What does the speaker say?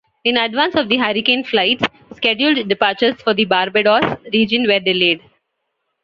In advance of the hurricane, flights' scheduled departures for the Barbados region were delayed.